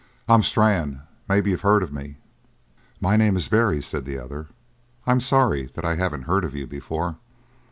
"I'm Strann. Maybe you've heard of me." "My name is Barry," said the other. "I'm sorry that I haven't heard of you before."